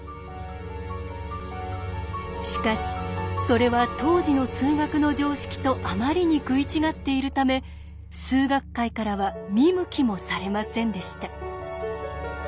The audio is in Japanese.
しかしそれは当時の数学の常識とあまりに食い違っているため数学界からは見向きもされませんでした。